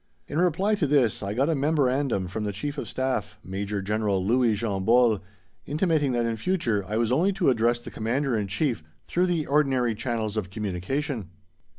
In reply to this I got a memorandum from the Chief of Staff, Major General Louis Jean Bols, intimating that in future I was only to address the Commander in Chief through the ordinary channels of communication.